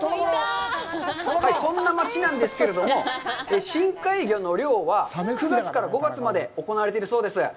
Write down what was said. そんな町なんですけれども、深海魚の漁は９月から５月まで行われてるそうです。